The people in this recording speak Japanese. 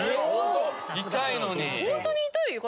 痛いのに。